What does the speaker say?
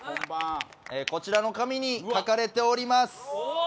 こちらの紙に書かれております。